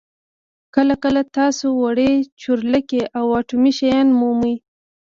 کله کله تاسو وړې چورلکې او اټومي شیان مومئ